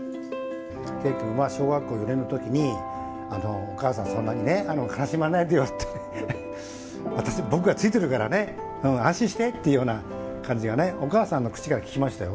圭君が小学校４年のときに、お母さん、そんなに悲しまないでよって、僕がついてるからね、安心してっていうような感じがね、お母さんの口から聞きましたよ。